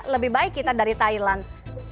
lebih baik kita dari thailand